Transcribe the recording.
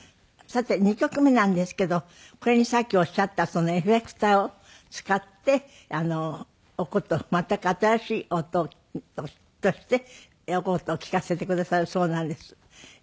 さて２曲目なんですけどこれにさっきおっしゃったそのエフェクターを使ってお箏全く新しい音としてお箏を聴かせてくださるそうなんです。